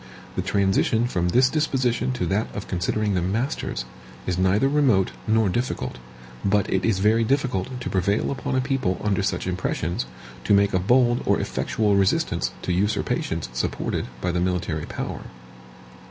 The transition from this disposition to that of considering them masters, is neither remote nor difficult; but it is very difficult to prevail upon a people under such impressions, to make a bold or effectual resistance to usurpations supported by the military power.